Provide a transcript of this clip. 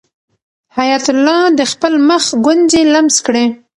حیات الله د خپل مخ ګونځې لمس کړې.